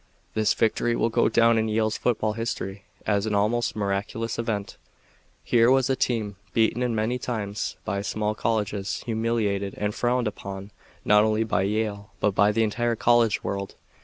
This victory will go down in Yale's football history as an almost miraculous event. Here was a team beaten many times by small colleges, humiliated and frowned upon not only by Yale, but by the entire college world.